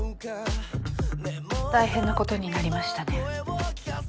大変なことになりましたね。